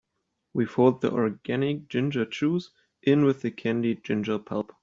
We fold the organic ginger juice in with the candied ginger pulp.